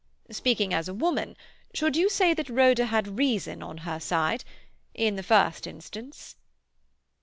"Speaking as a woman, should you say that Rhoda had reason on her side—in the first instance?"